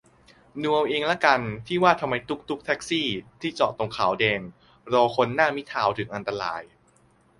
ดูเอาเองละกัน ที่ว่าทำไมตุ๊กตุ๊ก แท็กซี่ ที่จอดตรงขาว-แดง รอคนหน้ามิตรทาวน์ถึงอันตราย